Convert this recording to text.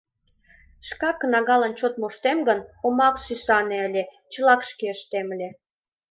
Шкак кнагалан чот моштем гын, омак сӱсане ыле, чылак шке ыштем ыле...